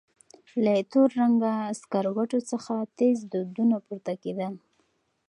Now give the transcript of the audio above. له تور رنګه سکروټو څخه تېز دودونه پورته کېدل.